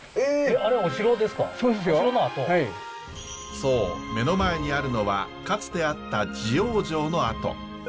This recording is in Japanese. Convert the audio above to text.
そう目の前にあるのはかつてあった地黄城の跡。